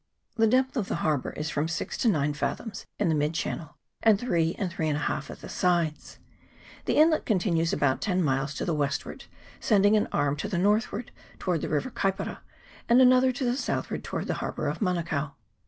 The depth of the harbour is from six to nine fathoms in the mid channel, and three and three and a half at the sides. The inlet continues about ten miles to the westward, sending an arm to the northward towards the river Kaipara, and another to the southward towards the harbour of Manukao.